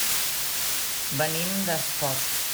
Venim d'Espot.